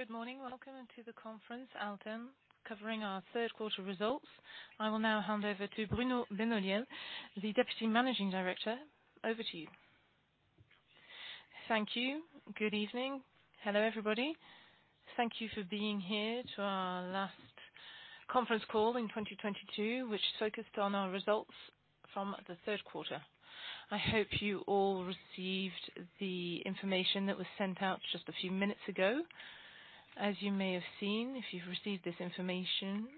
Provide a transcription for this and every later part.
Good morning. Welcome to the conference, Alten, covering our third quarter results. I will now hand over to Bruno Benoliel, the Deputy Chief Executive Officer. Over to you. Thank you. Good evening. Hello, everybody. Thank you for being here to our last conference call in 2022, which focused on our results from the third quarter. I hope you all received the information that was sent out just a few minutes ago. As you may have seen, if you've received this information,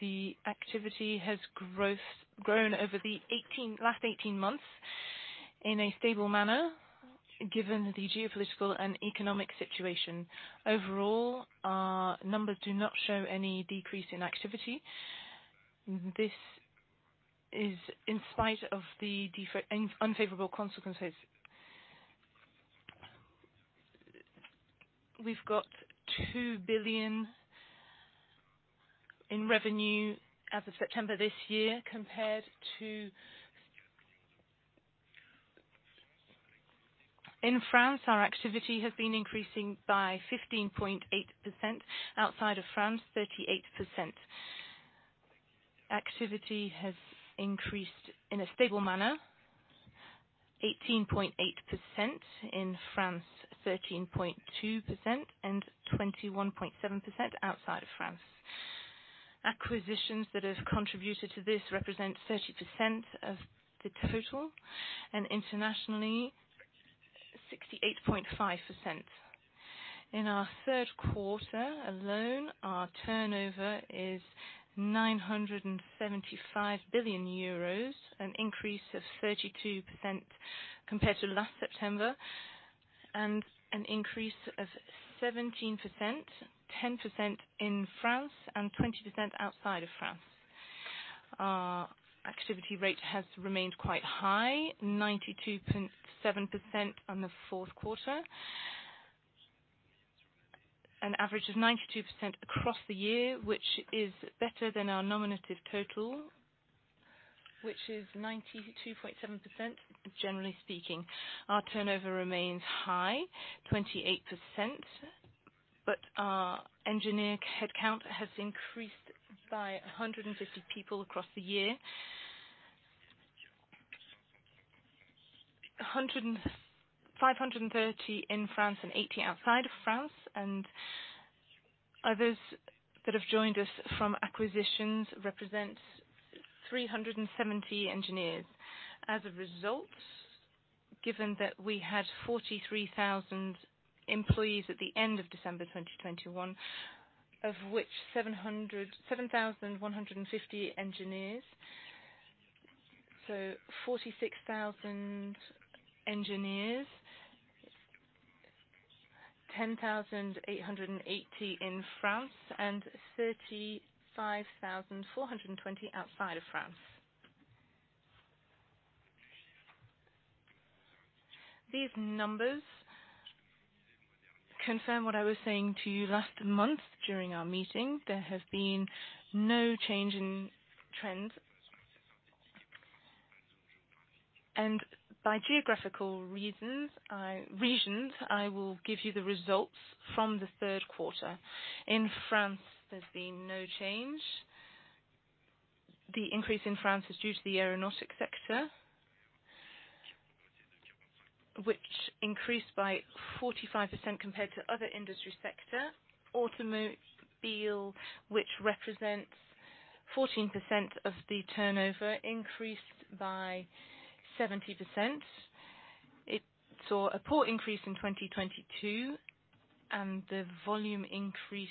the activity has grown over the last 18 months in a stable manner, given the geopolitical and economic situation. Overall, our numbers do not show any decrease in activity. This is in spite of any unfavorable consequences. We've got 2 billion in revenue as of September this year compared to. In France, our activity has been increasing by 15.8%. Outside of France, 38%. Activity has increased in a stable manner, 18.8%. In France, 13.2% and 21.7% outside of France. Acquisitions that have contributed to this represent 30% of the total and internationally, 68.5%. In our third quarter alone, our turnover is 975 billion euros, an increase of 32% compared to last September, and an increase of 17%, 10% in France and 20% outside of France. Our activity rate has remained quite high, 92.7% on the fourth quarter. An average of 92% across the year, which is better than our nominative total, which is 92.7%. Generally speaking, our turnover remains high, 28%, but our engineer headcount has increased by 150 people across the year. Five hundred and thirty in France and 80 outside of France, and others that have joined us from acquisitions represents 370 engineers. As a result, given that we had 43,000 employees at the end of December 2021, of which 7,150 engineers, so 46,000 engineers. 10,880 in France and 35,420 outside of France. These numbers confirm what I was saying to you last month during our meeting. There has been no change in trends. By geographical reasons, regions, I will give you the results from the third quarter. In France, there's been no change. The increase in France is due to the aeronautics sector, which increased by 45% compared to other industry sector. Automobile, which represents 14% of the turnover, increased by 70%. It saw a poor increase in 2022, and the volume increase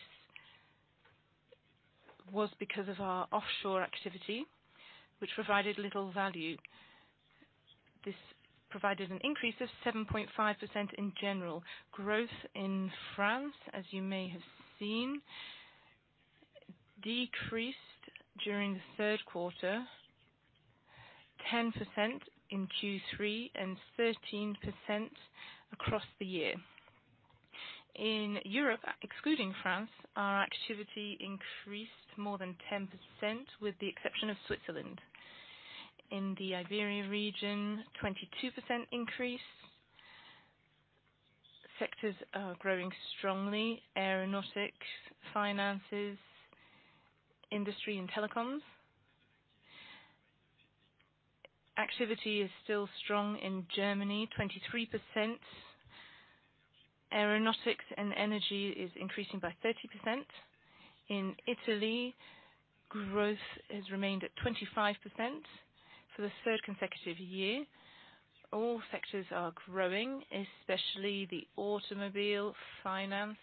was because of our offshore activity, which provided little value. This provided an increase of 7.5% in general. Growth in France, as you may have seen, decreased during the third quarter, 10% in Q3 and 13% across the year. In Europe, excluding France, our activity increased more than 10%, with the exception of Switzerland. In the Iberia region, 22% increase. Sectors are growing strongly, aeronautics, finances, industry, and telecoms. Activity is still strong in Germany, 23%. Aeronautics and energy is increasing by 30%. In Italy, growth has remained at 25% for the third consecutive year. All sectors are growing, especially the automobile, finance,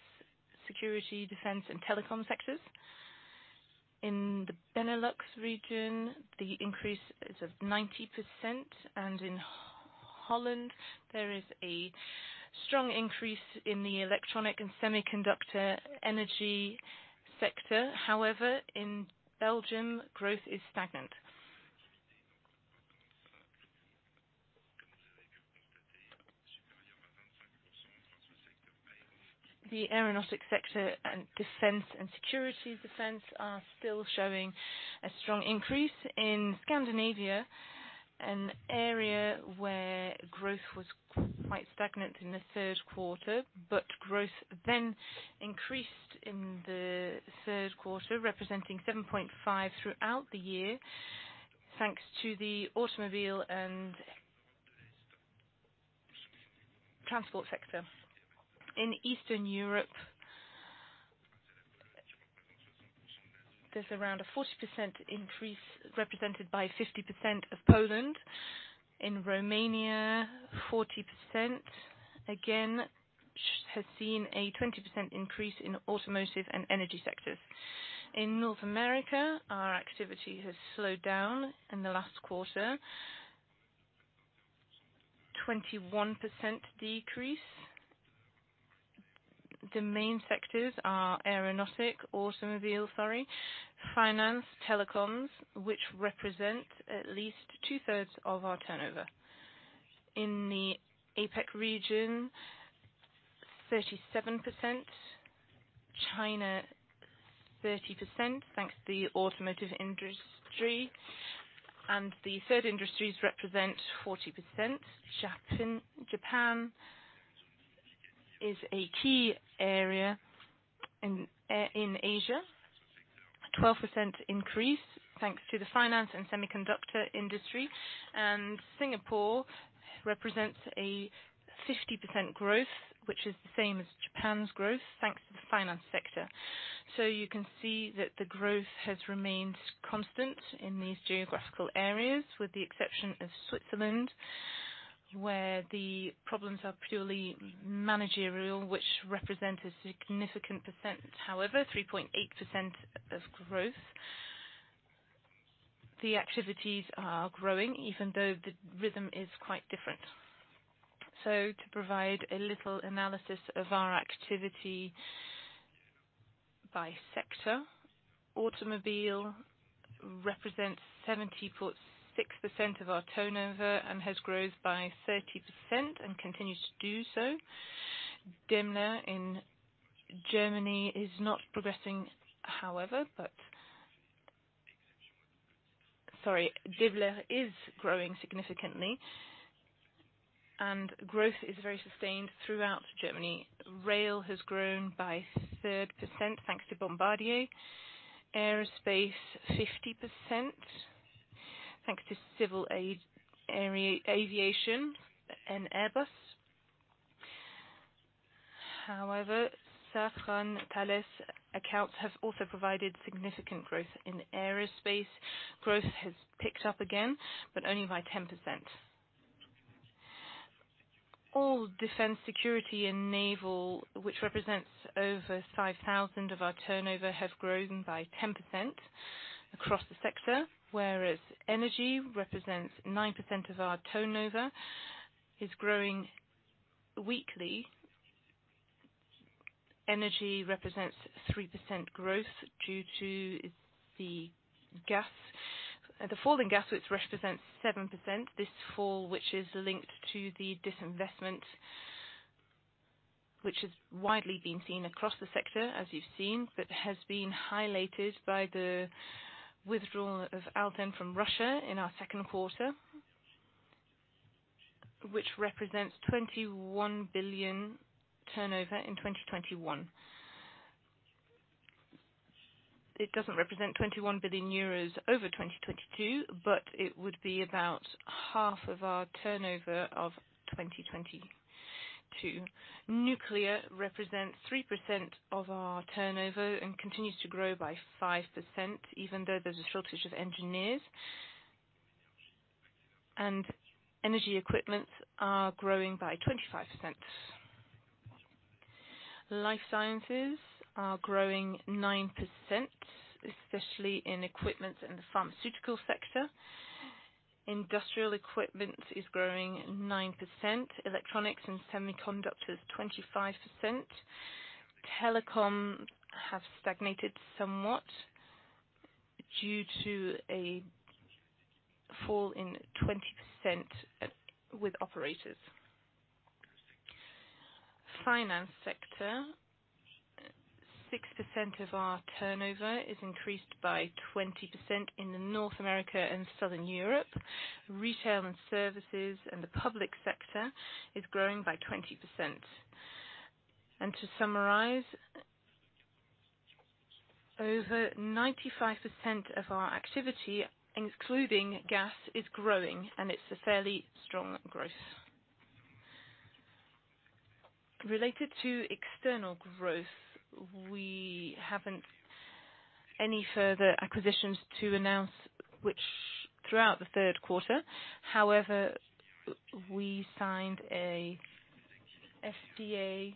security, defense, and telecom sectors. In the Benelux region, the increase is of 90%, and in Holland, there is a strong increase in the electronic and semiconductor energy sector. However, in Belgium, growth is stagnant. The aeronautics sector and defense and security are still showing a strong increase. In Scandinavia, an area where growth was quite stagnant in the third quarter, but growth then increased in the third quarter, representing 7.5% throughout the year, thanks to the automobile and transport sector. In Eastern Europe, there's around a 40% increase represented by 50% in Poland. In Romania, 40%, again, has seen a 20% increase in automotive and energy sectors. In North America, our activity has slowed down in the last quarter. 21% decrease. The main sectors are aeronautics, automotive, sorry, finance, telecoms, which represent at least two-thirds of our turnover. In the APAC region, 37%. China, 30%, thanks to the automotive industry, and the other industries represent 40%. Japan is a key area in Asia. 12% increase thanks to the finance and semiconductor industry, and Singapore represents a 50% growth, which is the same as Japan's growth, thanks to the finance sector. You can see that the growth has remained constant in these geographical areas, with the exception of Switzerland, where the problems are purely managerial, which represent a significant percent. However, 3.8% of growth. The activities are growing even though the rhythm is quite different. To provide a little analysis of our activity by sector. Automobile represents 70.6% of our turnover and has grown by 30% and continues to do so. Daimler in Germany is growing significantly and growth is very sustained throughout Germany. Rail has grown by 3%, thanks to Bombardier. Aerospace, 50%, thanks to civil aviation and Airbus. However, Safran and Thales accounts have also provided significant growth in aerospace. Growth has picked up again, but only by 10%. All defense, security, and naval, which represents over 50% of our turnover, have grown by 10% across the sector. Whereas energy represents 9% of our turnover, is growing weakly. Energy represents 3% growth due to the gas. The fall in gas, which represents 7%. This fall, which is linked to the disinvestment, which has widely been seen across the sector, as you've seen, but has been highlighted by the withdrawal of Alten from Russia in our second quarter, which represents 21 million turnover in 2021. It doesn't represent 21 million euros over 2022, but it would be about half of our turnover of 2022. Nuclear represents 3% of our turnover and continues to grow by 5%, even though there's a shortage of engineers. Energy equipment is growing by 25%. Life sciences are growing 9%, especially in equipment in the pharmaceutical sector. Industrial equipment is growing 9%. Electronics and semiconductors, 25%. Telecom has stagnated somewhat due to a 20% fall with operators. Finance sector, 6% of our turnover has increased by 20% in North America and Southern Europe. Retail and services and the public sector is growing by 20%. To summarize, over 95% of our activity, including gas, is growing, and it's a fairly strong growth. Related to external growth, we have no further acquisitions to announce in the third quarter. However, we signed a SPA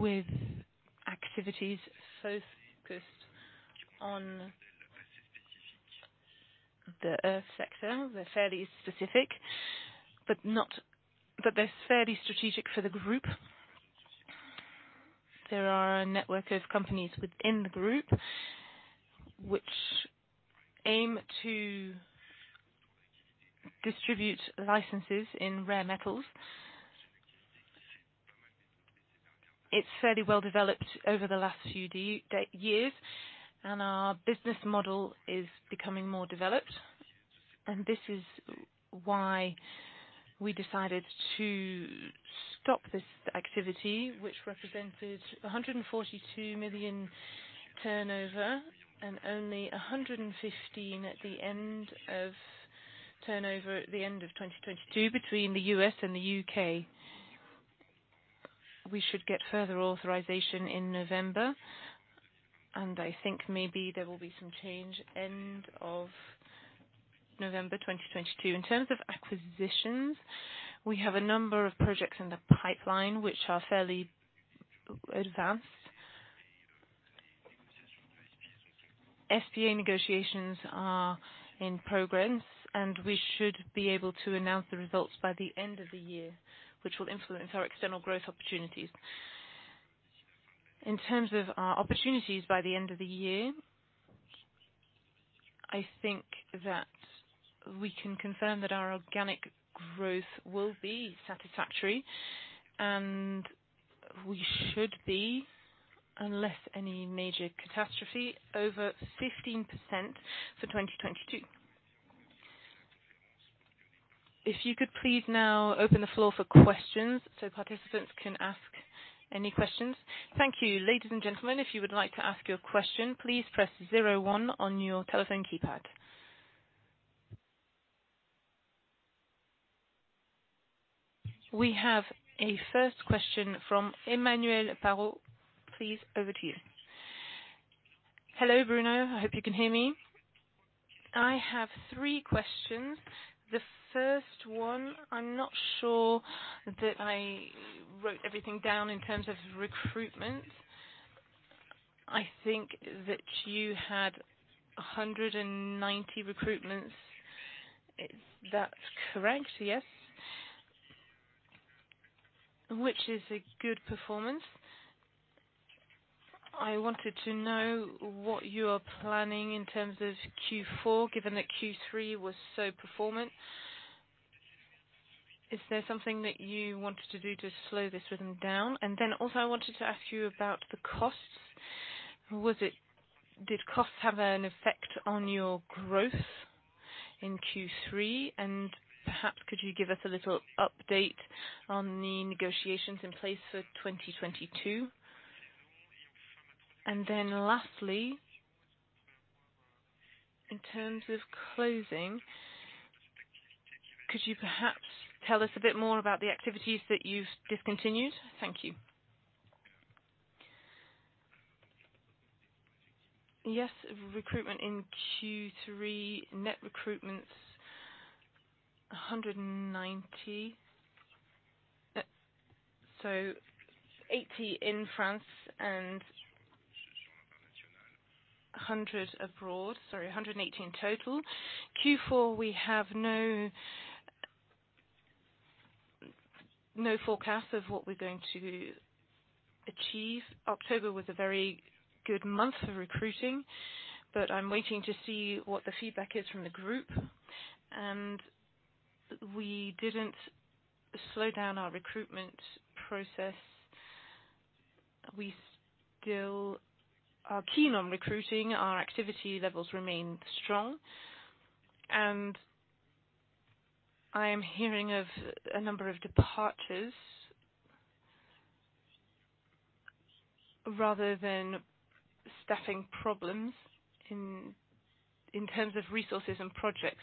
with activities focused on the earth sector. They're fairly specific, but they're fairly strategic for the group. There are a network of companies within the group which aim to distribute licenses in rare metals. It's fairly well developed over the last few years, and our business model is becoming more developed. This is why we decided to stop this activity, which represented 142 million turnover and only 115 million turnover at the end of 2022 between the U.S. and the U.K. We should get further authorization in November, and I think maybe there will be some change end of November 2022. In terms of acquisitions, we have a number of projects in the pipeline which are fairly advanced. SPA negotiations are in progress, and we should be able to announce the results by the end of the year, which will influence our external growth opportunities. In terms of our opportunities by the end of the year, I think that we can confirm that our organic growth will be satisfactory, and we should be, unless any major catastrophe, over 15% for 2022. If you could please now open the floor for questions so participants can ask any questions. Thank you. Ladies and gentlemen, if you would like to ask your question, please press zero one on your telephone keypad. We have a first question from Emmanuel Parot. Please, over to you. Hello, Bruno. I hope you can hear me. I have three questions. The first one, I'm not sure that I wrote everything down in terms of recruitment. I think that you had 190 recruitments. That's correct, yes? Which is a good performance. I wanted to know what you are planning in terms of Q4, given that Q3 was so performant. Is there something that you wanted to do to slow this rhythm down? I wanted to ask you about the costs. Did costs have an effect on your growth in Q3? Could you give us a little update on the negotiations in place for 2022? Lastly, in terms of closing, could you perhaps tell us a bit more about the activities that you've discontinued? Thank you. Yes. Recruitment in Q3, net recruitment, 190. So 80 in France and 100 abroad. Sorry, 118 total. Q4, we have no forecast of what we're going to achieve. October was a very good month for recruiting, but I'm waiting to see what the feedback is from the group. We didn't slow down our recruitment process. We still are keen on recruiting. Our activity levels remain strong, and I am hearing of a number of departures rather than staffing problems in terms of resources and projects.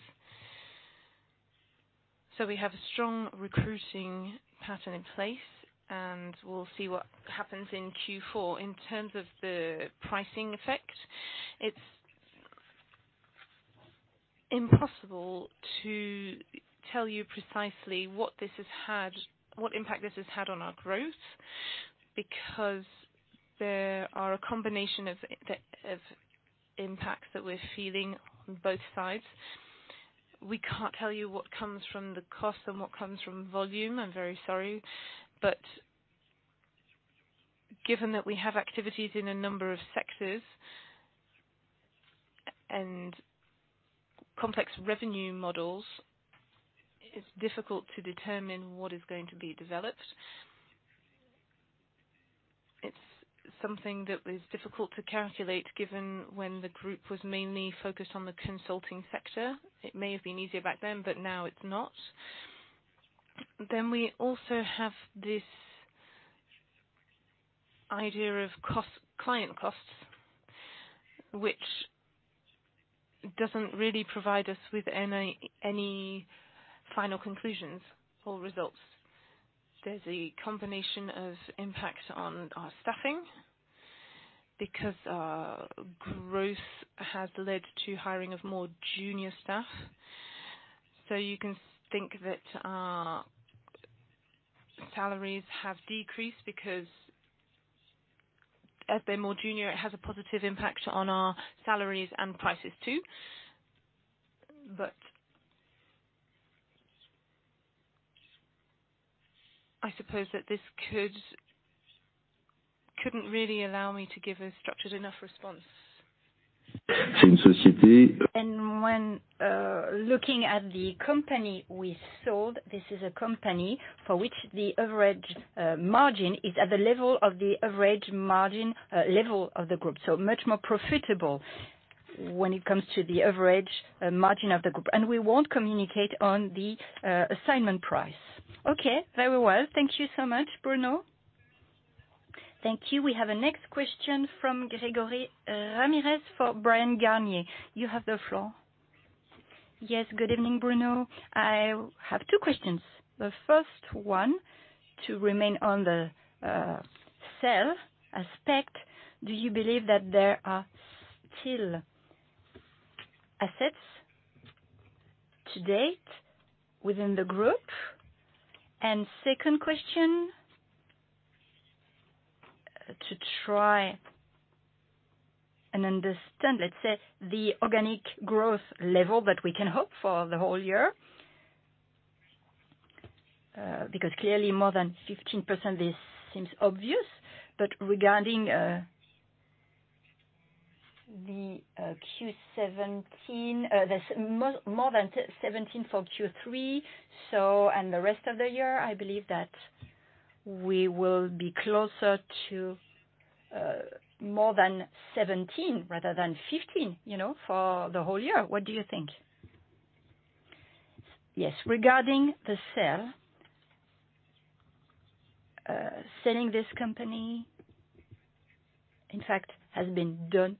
We have a strong recruiting pattern in place, and we'll see what happens in Q4. In terms of the pricing effect, it's impossible to tell you precisely what impact this has had on our growth, because there are a combination of impacts that we're feeling on both sides. We can't tell you what comes from the cost and what comes from volume. I'm very sorry. Given that we have activities in a number of sectors and complex revenue models, it's difficult to determine what is going to be developed. It's something that was difficult to calculate, given when the group was mainly focused on the consulting sector. It may have been easier back then, but now it's not. We also have this idea of cost client costs, which doesn't really provide us with any final conclusions or results. There's a combination of impacts on our staffing because growth has led to hiring of more junior staff. You can think that our salaries have decreased because as they're more junior, it has a positive impact on our salaries and prices too. I suppose that this couldn't really allow me to give a structured enough response. C'est une société- When looking at the company we sold, this is a company for which the average margin is at the level of the average margin level of the group. Much more profitable when it comes to the average margin of the group. We won't communicate on the assignment price. Okay. Very well. Thank you so much, Bruno. Thank you. We have a next question from Grégory Ramirez for Bryan Garnier. You have the floor. Yes. Good evening, Bruno. I have two questions. The first one to remain on the sale aspect, do you believe that there are still assets to divest within the group? Second question to try and understand, let's say, the organic growth level that we can hope for the whole year. Because clearly more than 15%, this seems obvious, but regarding the Q1 17. More than 17% for Q3, so and the rest of the year, I believe that we will be closer to more than 17% rather than 15% for the whole year. What do you think? Yes. Regarding the sale, selling this company, in fact, has been done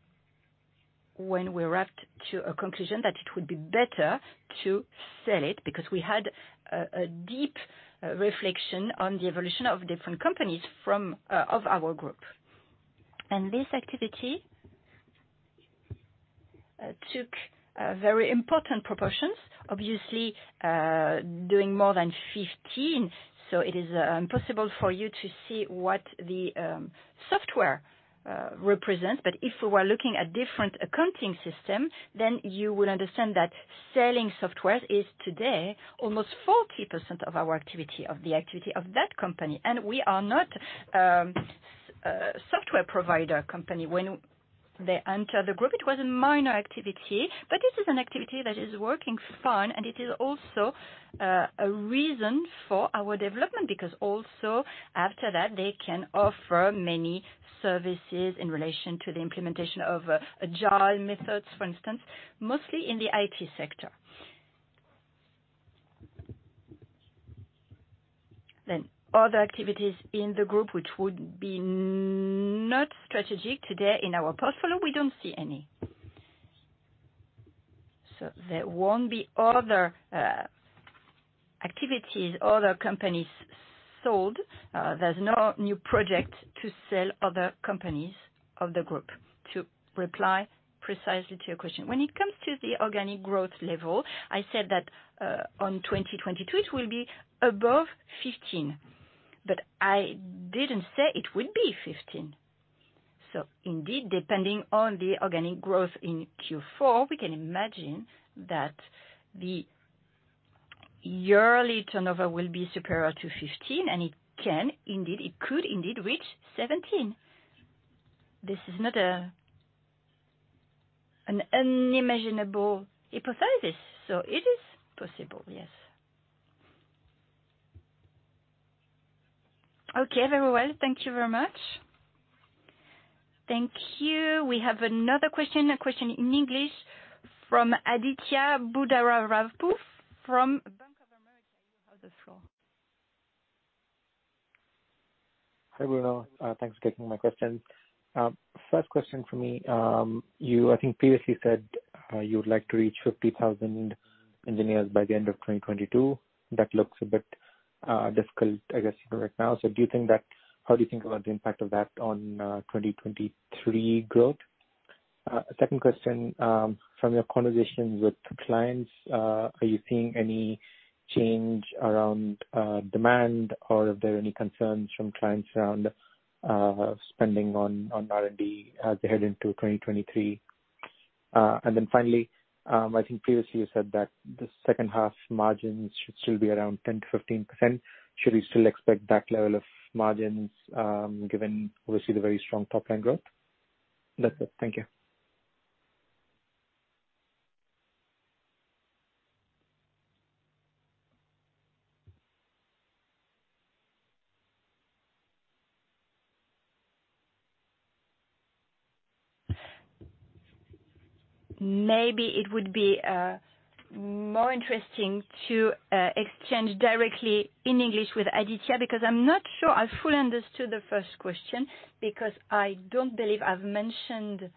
when we arrived to a conclusion that it would be better to sell it because we had a deep reflection on the evolution of different companies from our group. This activity took very important proportions, obviously, doing more than 15%, so it is possible for you to see what the software represents. If we were looking at different accounting system, then you would understand that selling software is today almost 40% of our activity, of the activity of that company. We are not a software provider company. When they enter the group, it was a minor activity, but this is an activity that is working fine, and it is also a reason for our development, because also after that, they can offer many services in relation to the implementation of agile methods, for instance, mostly in the IT sector. Other activities in the group which would be not strategic today in our portfolio, we don't see any. There won't be other activities, other companies sold. There's no new project to sell other companies of the group, to reply precisely to your question. When it comes to the organic growth level, I said that in 2022, it will be above 15%, but I didn't say it would be 15%. Indeed, depending on the organic growth in Q4, we can imagine that the yearly turnover will be superior to 15%, and it can indeed, it could indeed reach 17%. This is not an unimaginable hypothesis, so it is possible, yes. Okay. Very well. Thank you very much. Thank you. We have another question, a question in English from Aditya Buddhavarapu from Bank of America. You have the floor. Hi, Bruno. Thanks for taking my question. First question for me, you I think previously said you would like to reach 50,000 engineers by the end of 2022. That looks a bit difficult, I guess, right now. Do you think that. How do you think about the impact of that on 2023 growth? Second question, from your conversations with clients, are you seeing any change around demand, or are there any concerns from clients around spending on R&D as they head into 2023? Then finally, I think previously you said that the H2 margins should still be around 10%-15%. Should we still expect that level of margins, given obviously the very strong top line growth? That's it. Thank you. Maybe it would be more interesting to exchange directly in English with Aditya, because I'm not sure I fully understood the first question, because I don't believe I've mentioned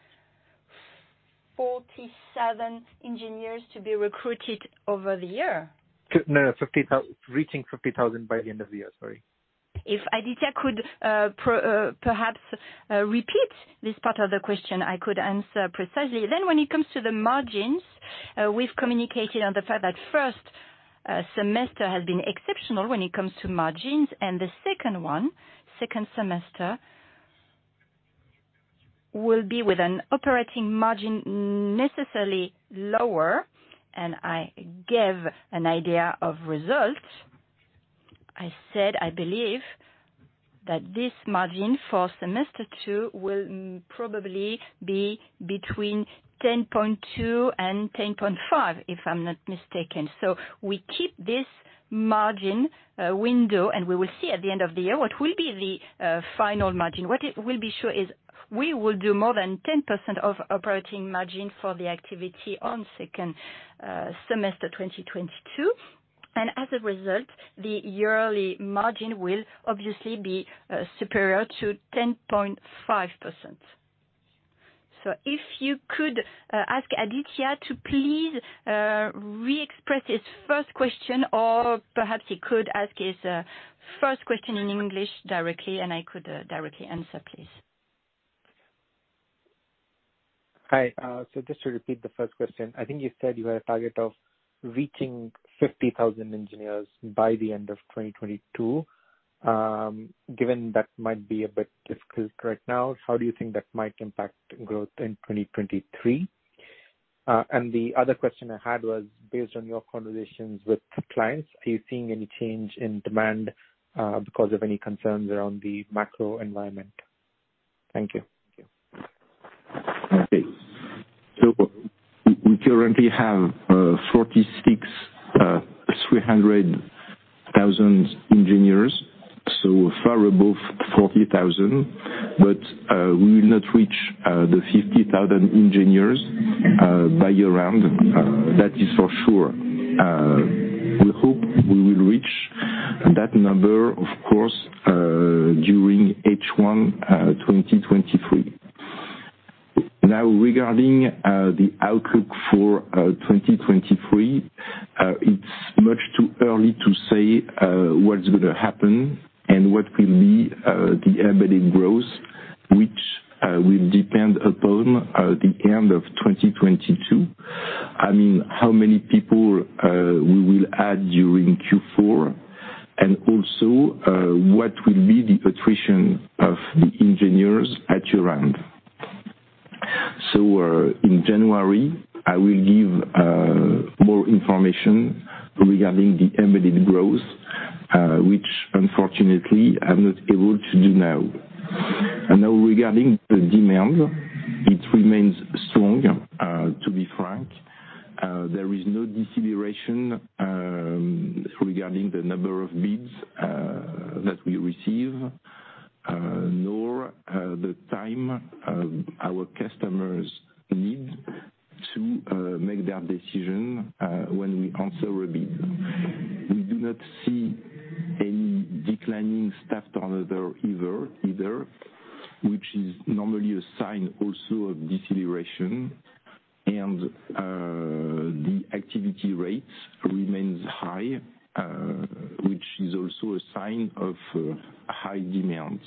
47 engineers to be recruited over the year. No, reaching 50,000 by the end of the year. Sorry. If Aditya could, perhaps, repeat this part of the question, I could answer precisely. When it comes to the margins, we've communicated on the fact that first semester has been exceptional when it comes to margins, and the second semester will be with an operating margin necessarily lower. I gave an idea of results. I said I believe that this margin for semester two will probably be between 10.2% and 10.5%, if I'm not mistaken. We keep this margin window, and we will see at the end of the year what will be the final margin. What it will be sure is we will do more than 10% operating margin for the activity on second semester 2022. As a result, the yearly margin will obviously be superior to 10.5%. If you could ask Aditya to please re-express his first question, or perhaps he could ask his first question in English directly, and I could directly answer, please. Hi. So just to repeat the first question, I think you said you had a target of reaching 50,000 engineers by the end of 2022. Given that might be a bit difficult right now, how do you think that might impact growth in 2023? The other question I had was, based on your conversations with clients, are you seeing any change in demand, because of any concerns around the macro environment? Thank you. Thank you. Okay. We currently have 46,300 engineers, so far above 40,000. We will not reach the 50,000 engineers by year-end. That is for sure. We hope we will reach that number, of course, during H1 2023. Now, regarding the outlook for 2023, it's much too early to say what's gonna happen and what will be the embedded growth, which will depend upon the end of 2022. I mean, how many people we will add during Q4 and also what will be the attrition of the engineers at year-end. In January, I will give more information regarding the embedded growth, which unfortunately I'm not able to do now. Now, regarding the demand, it remains strong, to be frank. There is no deceleration, regarding the number of bids, that we receive, nor, the time, our customers need to, make their decision, when we answer a bid. We do not see any declining staff turnover either, which is normally a sign also of deceleration, and, the activity rates remains high, which is also a sign of, high demand.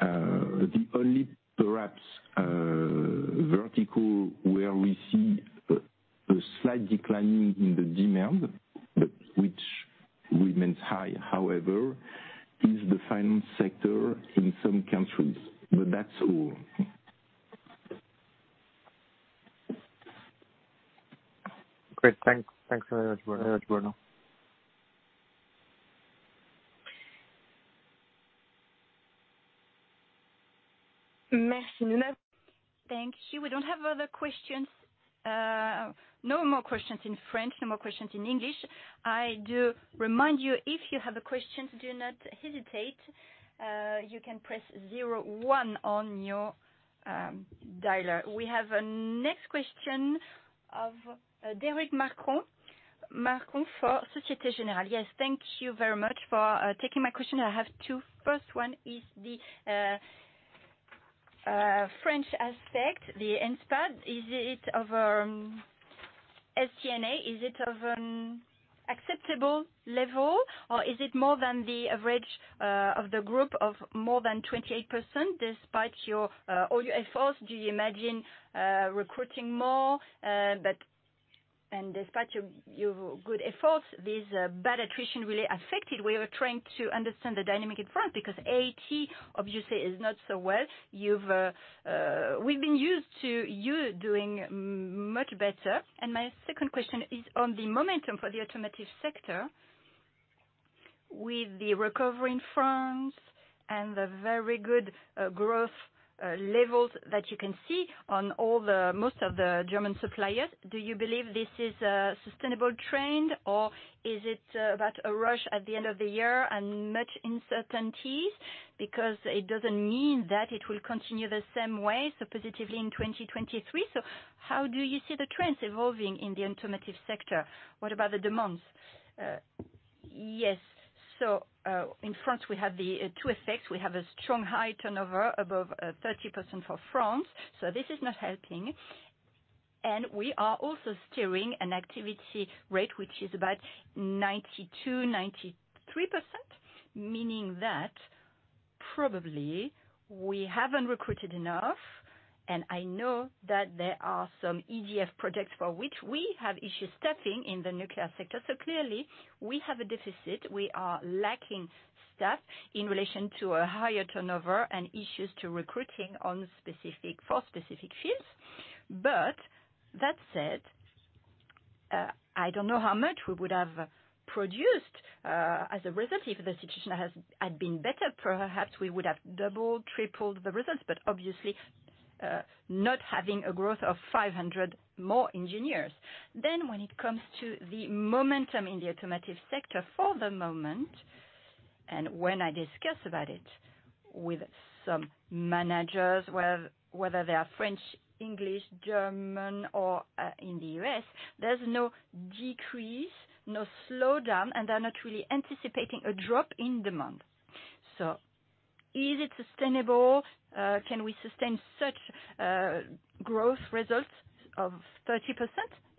The only perhaps, vertical where we see a slight declining in the demand, but which remains high, however, is the finance sector in some countries, but that's all. Great. Thanks. Thanks very much, Bruno. Merci. Thank you. We don't have other questions. No more questions in French, no more questions in English. I do remind you, if you have a question, do not hesitate. You can press zero one on your dialer. We have a next question of Derric Marcon for Société Générale. Yes. Thank you very much for taking my question. I have two. First one is the French aspect, the intercontrat. Is it of attrition, is it of an acceptable level, or is it more than the average of the group of more than 28% despite your all your efforts? Do you imagine recruiting more? Despite your good efforts, this bad attrition really affected. We are trying to understand the dynamic in France because Alten obviously is not so well. You've We've been used to you doing much better. My second question is on the momentum for the automotive sector. With the recovery in France and the very good growth levels that you can see on all the most of the German suppliers, do you believe this is a sustainable trend, or is it about a rush at the end of the year and much uncertainties? Because it doesn't mean that it will continue the same way, so positively in 2023. How do you see the trends evolving in the automotive sector? What about the demands? In France, we have the two effects. We have a strong high turnover above 30% for France, so this is not helping. We are also steering an activity rate which is about 92%-93%, meaning that probably we haven't recruited enough. I know that there are some EDF projects for which we have issues staffing in the nuclear sector. Clearly we have a deficit. We are lacking staff in relation to a higher turnover and issues with recruiting on specific fields. That said, I don't know how much we would have produced as a result, if the situation had been better, perhaps we would have doubled, tripled the results, but obviously not having a growth of 500 more engineers. When it comes to the momentum in the automotive sector, for the moment, and when I discuss about it with some managers, whether they are French, English, German, or in the US, there's no decrease, no slowdown, and they're not really anticipating a drop in demand. Is it sustainable? Can we sustain such growth results of 30%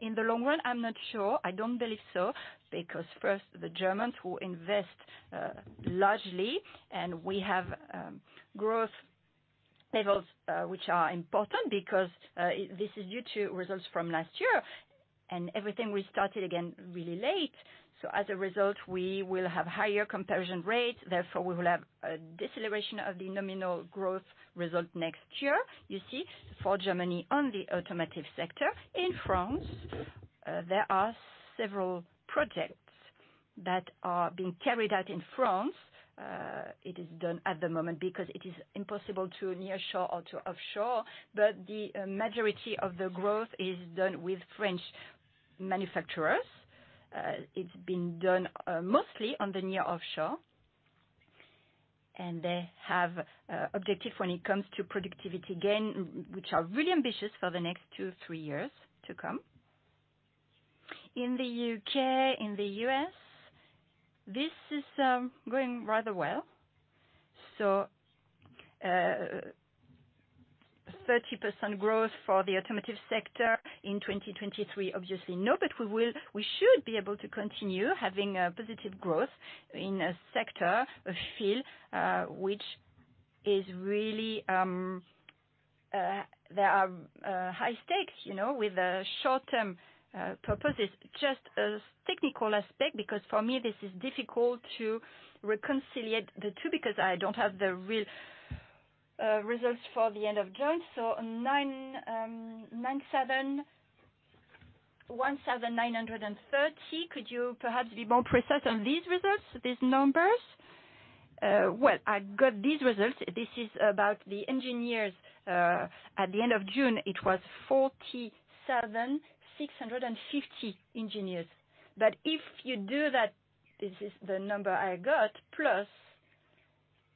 in the long run? I'm not sure. I don't believe so, because, first, the Germans will invest largely, and we have growth levels which are important because this is due to results from last year. Everything we started again really late, so as a result, we will have higher comparison rates. Therefore, we will have a deceleration of the nominal growth result next year, you see, for Germany on the automotive sector. In France, there are several projects that are being carried out in France. It is done at the moment because it is impossible to nearshore or to offshore. The majority of the growth is done with French manufacturers. It's being done mostly on the nearshore, and they have objectives when it comes to productivity gain, which are really ambitious for the next two, three years to come. In the UK, in the US, this is going rather well. 30% growth for the automotive sector in 2023, obviously no, but we should be able to continue having a positive growth in a sector, a field, which is really, there are high stakes with the short-term pressures. Just a technical aspect, because for me, this is difficult to reconcile the two, because I don't have the real results for the end of June. 9, 97, 1,930, could you perhaps be more precise on these results, these numbers? Well, I got these results. This is about the engineers. At the end of June, it was 47,650 engineers. But if you do that, this is the number I got, plus,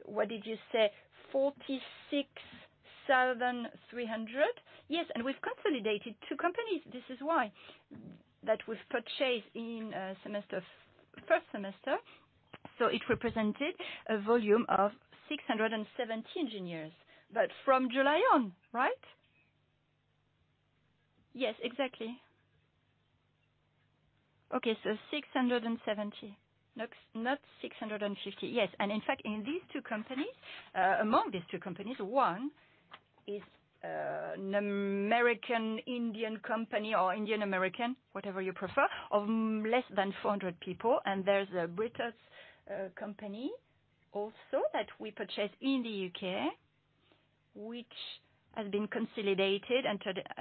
what did you say? 46,300. Yes, and we've consolidated two companies. This is why. That was purchased in first semester, so it represented a volume of 670 engineers. But from July on, right? Yes, exactly. Okay, so 670, not 650. Yes. And in fact, in these two companies, among these two companies, one is an American-Indian company or Indian-American, whatever you prefer, of less than 400 people. And there's a British company also that we purchased in the UK, which has been consolidated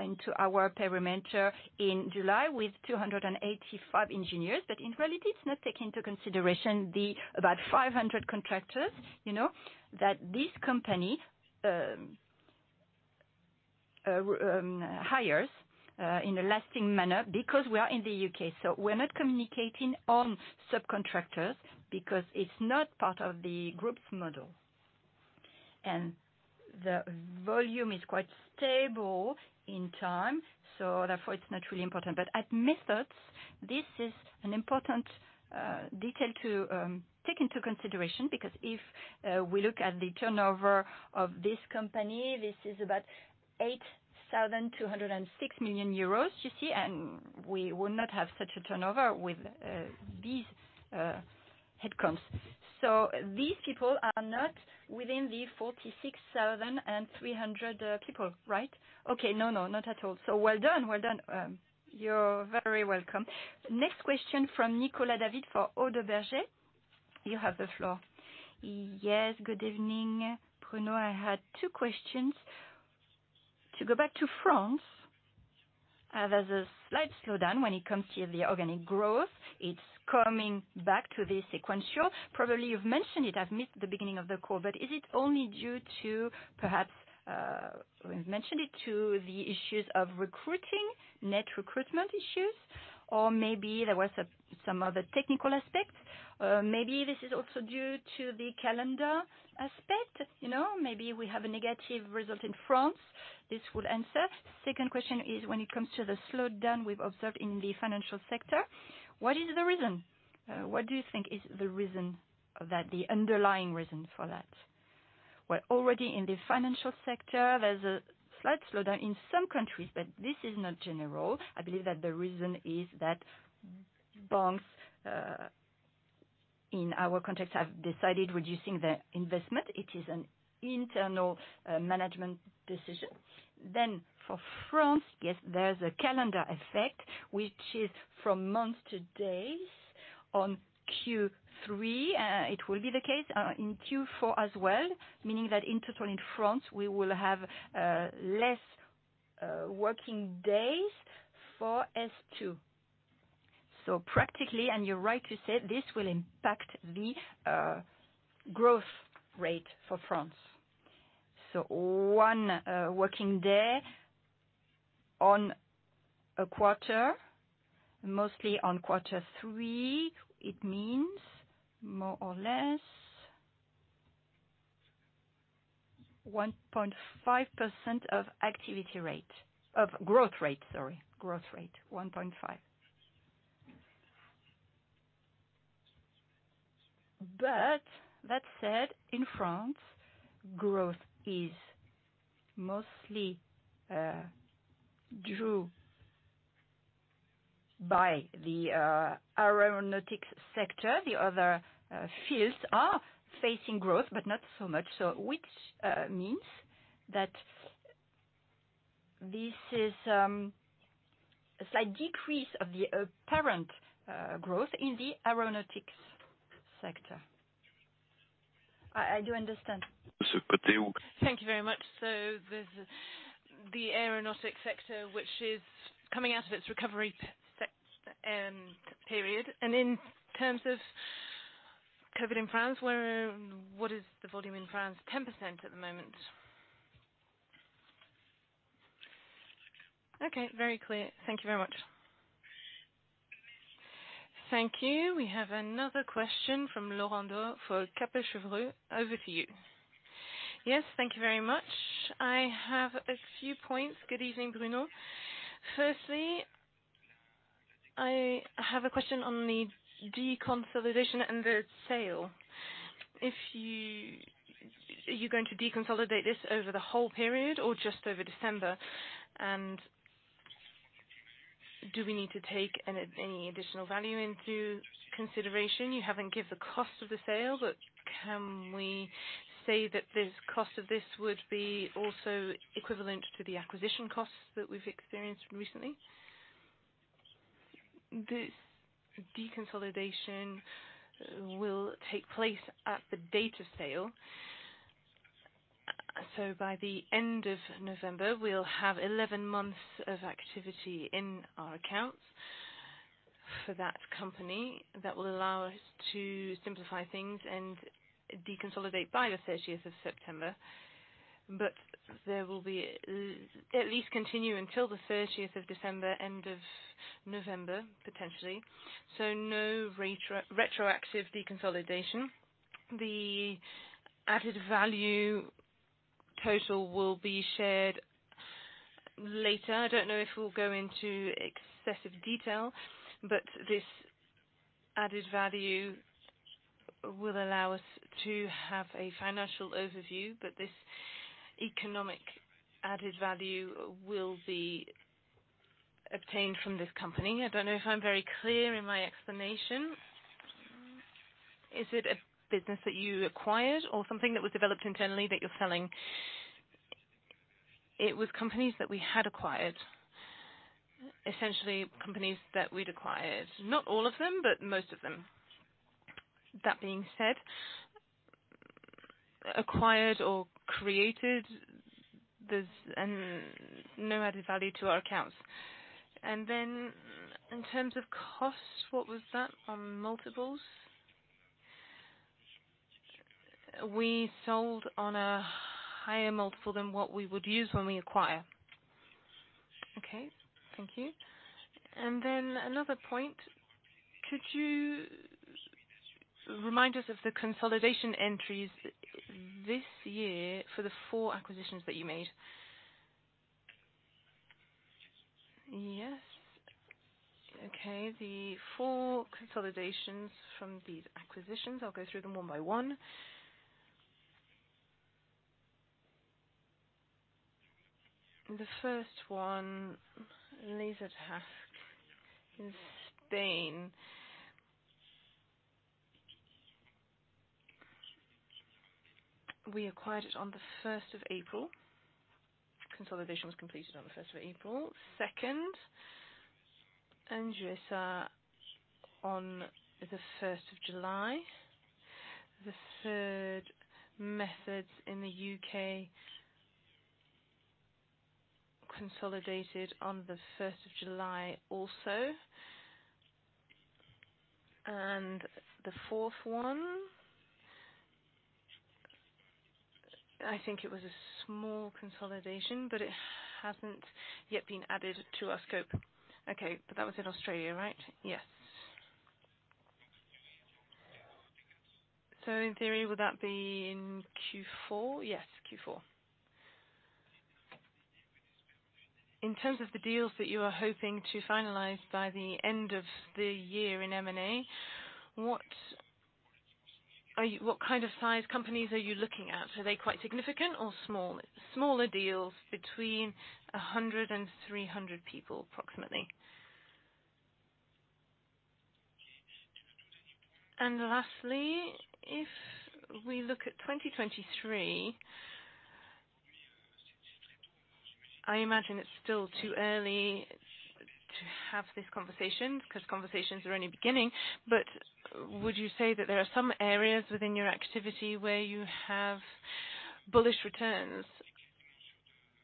into our perimeter in July with 285 engineers. In reality, it's not taking into consideration the about 500 contractors that this company hires in a lasting manner because we are in the UK. We're not communicating on subcontractors because it's not part of the group's model. The volume is quite stable in time, so therefore it's not really important. At Methods, this is an important detail to take into consideration, because if we look at the turnover of this company, this is about 8,206 million euros, you see, and we would not have such a turnover with these headcounts. These people are not within the 46,300 people, right? Okay. No, no, not at all. Well done. Well done. You're very welcome. Next question from Nicolas David for Oddo BHF. You have the floor. Yes. Good evening, Bruno. I had two questions. To go back to France, there's a slight slowdown when it comes to the organic growth. It's coming back to the sequential. Probably you've mentioned it, I've missed the beginning of the call, but is it only due to perhaps, to the issues of recruiting, net recruitment issues? Or maybe there was some other technical aspects. Maybe this is also due to the calendar aspect. You know, maybe we have a negative result in France. This would answer. Second question is, when it comes to the slowdown we've observed in the financial sector, what is the reason? What do you think is the reason that the underlying reason for that? Well, already in the financial sector, there's a slight slowdown in some countries, but this is not general. I believe that the reason is that banks in our context have decided reducing the investment. It is an internal management decision. For France, yes, there's a calendar effect, which is from months to days. On Q3, it will be the case in Q4 as well, meaning that in total in France we will have less working days for S2. Practically, and you're right to say, this will impact the growth rate for France. One working day on a quarter, mostly on quarter three, it means more or less 1.5% of growth rate, sorry. Growth rate, 1.5. That said, in France, growth is mostly driven by the aeronautics sector. The other fields are facing growth, but not so much. Which means that this is a slight decrease of the apparent growth in the aeronautics sector. I do understand. Thank you very much. The aeronautics sector, which is coming out of its recovery period. In terms of COVID in France, where, what is the volume in France? 10% at the moment. Okay, very clear. Thank you very much. Thank you. We have another question from Laurent Daure for Kepler Cheuvreux. Over to you. Yes, thank you very much. I have a few points. Good evening, Bruno. Firstly, I have a question on the deconsolidation and the sale. Are you going to deconsolidate this over the whole period or just over December? And do we need to take any additional value into consideration? You haven't given the cost of the sale, but can we say that this cost would be also equivalent to the acquisition costs that we've experienced recently? This deconsolidation will take place at the date of sale. So by the end of November, we'll have 11 months of activity in our accounts for that company. That will allow us to simplify things and deconsolidate by the thirtieth of September. There will be, at least continue until the thirtieth of December, end of November, potentially. No retroactive deconsolidation. The added value total will be shared later. I don't know if we'll go into excessive detail, but this added value will allow us to have a financial overview. This economic added value will be obtained from this company. I don't know if I'm very clear in my explanation. Is it a business that you acquired or something that was developed internally that you're selling? It was companies that we had acquired. Essentially, companies that we'd acquired. Not all of them, but most of them. That being said, acquired or created, there's no added value to our accounts. In terms of costs, what was that on multiples? We sold on a higher multiple than what we would use when we acquire. Okay. Thank you. Another point, could you remind us of the consolidation entries this year for the four acquisitions that you made? Yes. Okay. The four consolidations from these acquisitions, I'll go through them one by one. The first one, Clevertask in Spain. We acquired it on the first of April. Consolidation was completed on the first of April. Second, ANJUSA on the first of July. The third, Methods in the UK, consolidated on the first of July also. The fourth one, I think it was a small consolidation, but it hasn't yet been added to our scope. Okay. That was in Australia, right? Yes. In theory, would that be in Q4? Yes. Q4. In terms of the deals that you are hoping to finalize by the end of the year in M&A, what kind of size companies are you looking at? Are they quite significant or small? Smaller deals between 100 and 300 people, approximately. Lastly, if we look at 2023 I imagine it's still too early to have this conversation because conversations are only beginning. Would you say that there are some areas within your activity where you have bullish returns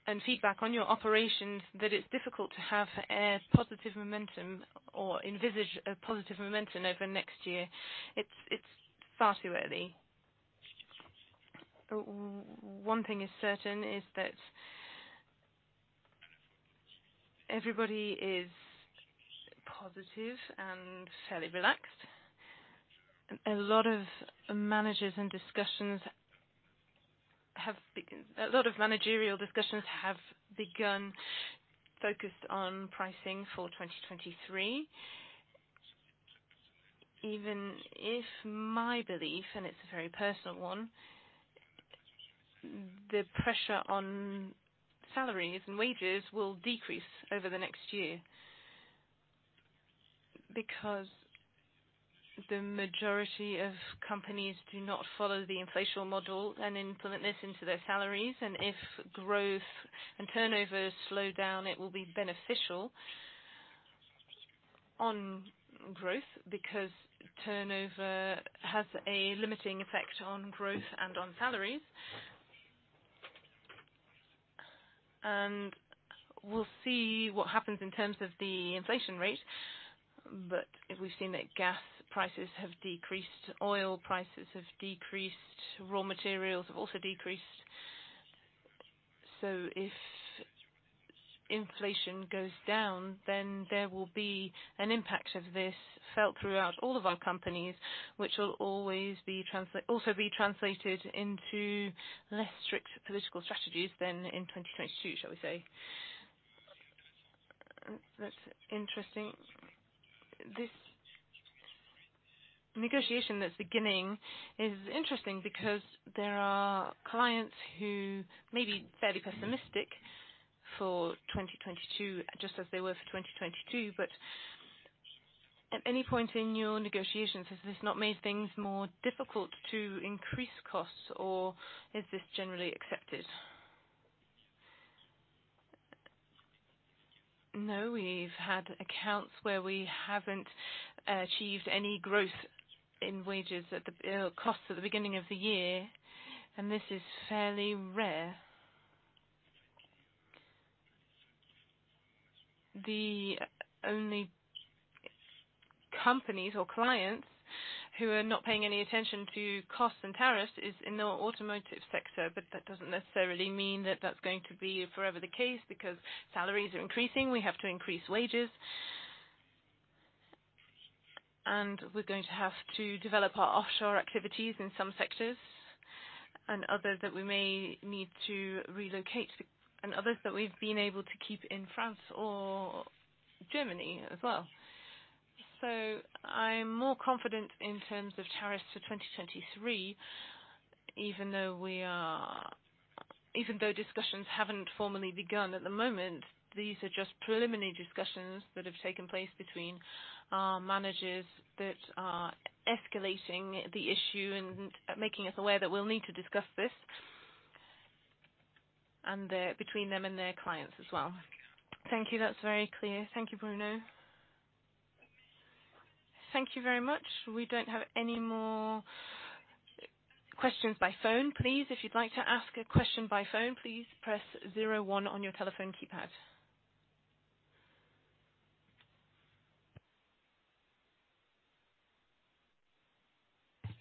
and feedback on your operations, that it's difficult to have a positive momentum or envisage a positive momentum over next year? It's far too early. One thing is certain is that everybody is positive and fairly relaxed. A lot of managerial discussions have begun focused on pricing for 2023. Even if my belief, and it's a very personal one, the pressure on salaries and wages will decrease over the next year, because the majority of companies do not follow the inflation model and implement this into their salaries. If growth and turnover slow down, it will be beneficial on growth because turnover has a limiting effect on growth and on salaries. We'll see what happens in terms of the inflation rate. We've seen that gas prices have decreased, oil prices have decreased, raw materials have also decreased. If inflation goes down, then there will be an impact of this felt throughout all of our companies, which will always also be translated into less strict pricing strategies than in 2022, shall we say. That's interesting. This negotiation that's beginning is interesting because there are clients who may be fairly pessimistic for 2022, just as they were for 2022. At any point in your negotiations, has this not made things more difficult to increase costs, or is this generally accepted? No, we've had accounts where we haven't achieved any growth in costs at the beginning of the year, and this is fairly rare. The only companies or clients who are not paying any attention to costs and tariffs is in the automotive sector, but that doesn't necessarily mean that that's going to be forever the case because salaries are increasing, we have to increase wages. We're going to have to develop our offshore activities in some sectors and others that we may need to relocate and others that we've been able to keep in France or Germany as well. I'm more confident in terms of targets for 2023, even though discussions haven't formally begun at the moment. These are just preliminary discussions that have taken place between our managers that are escalating the issue and making us aware that we'll need to discuss this and between them and their clients as well. Thank you. That's very clear. Thank you, Bruno. Thank you very much. We don't have any more questions by phone. Please, if you'd like to ask a question by phone, please press zero one on your telephone keypad.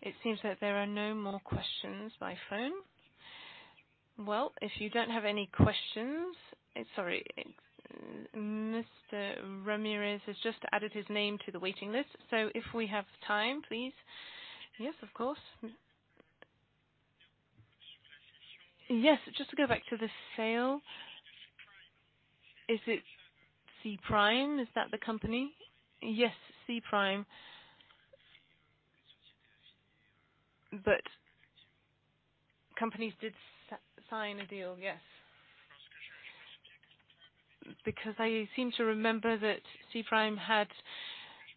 It seems that there are no more questions by phone. Well, if you don't have any questions. Sorry, Mr. Ramirez has just added his name to the waiting list. If we have time, please. Yes, of course. Yes. Just to go back to the sale. Is it Cprime? Is that the company? Yes, Cprime. But companies did sign a deal, yes. Because I seem to remember that Cprime had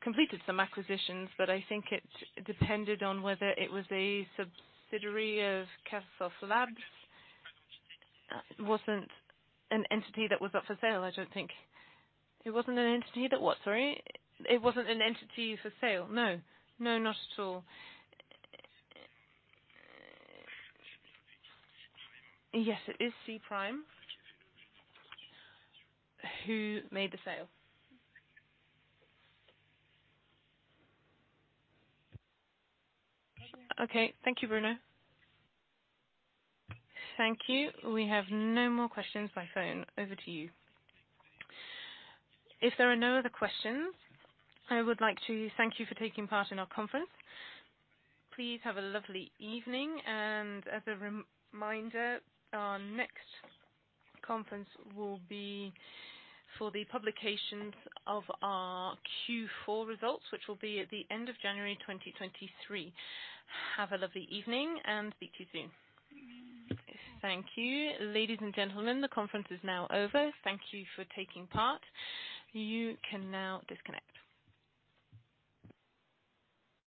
completed some acquisitions, but I think it depended on whether it was a subsidiary of Cassops Lab. It wasn't an entity that was up for sale, I don't think. It wasn't an entity that what, sorry? It wasn't an entity for sale, no. No, not at all. Yes, it is Cprime. Who made the sale? Okay. Thank you, Bruno. Thank you. We have no more questions by phone. Over to you. If there are no other questions, I would like to thank you for taking part in our conference. Please have a lovely evening. As a reminder, our next conference will be for the publications of our Q4 results, which will be at the end of January 2023. Have a lovely evening, and speak to you soon. Thank you. Ladies and gentlemen, the conference is now over. Thank you for taking part. You can now disconnect.